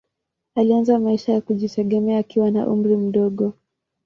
Alianza maisha ya kujitegemea akiwa na umri mdogo.